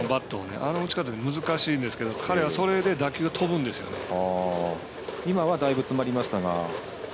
あの打ち方って難しいんですけど彼は、それで今はだいぶ詰まりましたが。